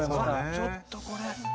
ちょっとこれ。